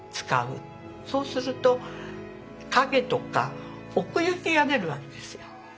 そうすると陰とか奥行きが出るわけですよ。